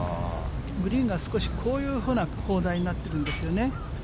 グリーンが少し、こういうふうな砲台になってるんですよね。